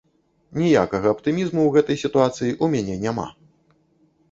Ніякага аптымізму ў гэтай сітуацыі ў мяне няма.